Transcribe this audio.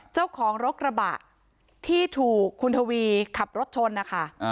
เจ้าของรถกระบะที่ถูกคุณทวีขับรถชนนะคะ